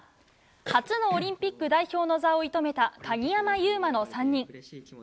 初のオリンピック代表の座を射止めた鍵山優真の３人。